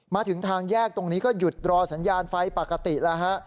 มาถึงทางแยกตรงนี้ก็หยุดรอสัญญาณไฟปกติแล้วฮะ